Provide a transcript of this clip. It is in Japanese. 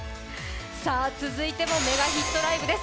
続いてもメガヒットライブです。